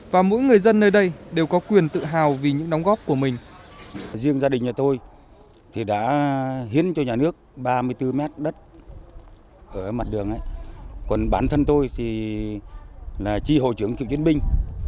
và mỗi người dân nơi đây đều có quyền tự hào vì những đóng góp của mình